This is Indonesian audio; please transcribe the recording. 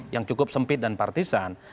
yang cukup sempit dan partisan